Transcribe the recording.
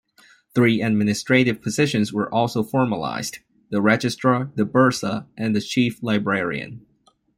Three administrative positions were also formalized: the Registrar, the Bursar and the Chief Librarian.